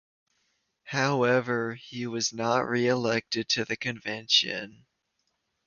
However, he was not re-elected to the Convention.